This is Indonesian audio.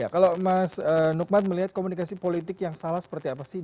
kalau mas nukmat melihat komunikasi politik yang salah seperti apa sih